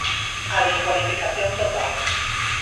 A descualificación total.